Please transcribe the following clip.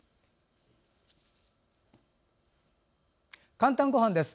「かんたんごはん」です。